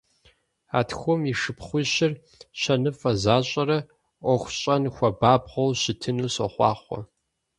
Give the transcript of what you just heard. А тхум и шыпхъуищыр щэныфӀэ защӀэрэ Ӏуэху щӀэн хуэпабгъэу щытыну сохъуахъуэ!